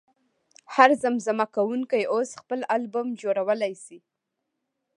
هر زمزمه کوونکی اوس خپل البوم جوړولی شي.